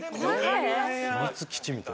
秘密基地みたい。